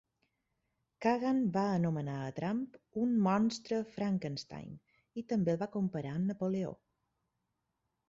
Kagan va anomenar a Trump un "monstre Frankenstein" i també el va comparar amb Napoleó.